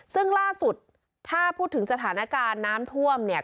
ซึ่งล่าสุดถ้าพูดถึงสถานการณ์น้ำท่วมเนี่ย